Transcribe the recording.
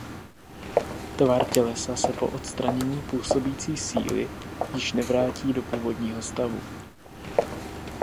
Tvar tělesa se po odstranění působící síly již nevrátí do původního stavu.